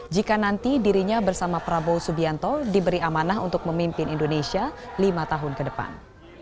jika nanti dirinya bersama prabowo subianto diberi amanah untuk memimpin indonesia lima tahun ke depan